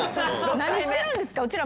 何してるんですかうちら。